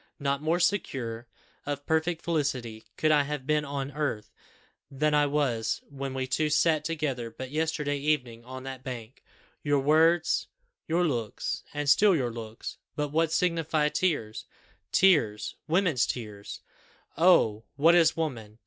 not more secure of perfect felicity could I have been on earth than I was when we two sat together but yesterday evening on that bank. Your words your looks and still your looks But what signify tears! Tears, women's tears! Oh! what is woman!